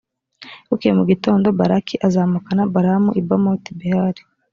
bukeye mu gitondo, balaki azamukana balamu i bamoti-behali.